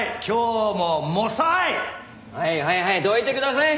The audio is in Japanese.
はいはいはいどいてください。